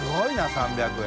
３００円。